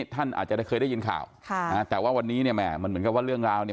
ท่านอาจจะได้เคยได้ยินข่าวค่ะนะแต่ว่าวันนี้เนี่ยแหม่มันเหมือนกับว่าเรื่องราวเนี่ย